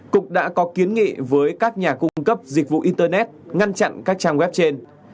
cục đã có kiến nghị với các nhà cung cấp dịch vụ internet ngăn chặn các trang web trên